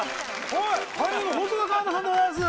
はい俳優の細田佳央太さんでございます！